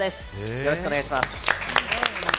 よろしくお願いします。